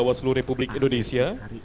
tahapan pimpinan dari publik indonesia